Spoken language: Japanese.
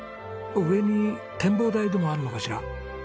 上に展望台でもあるのかしら？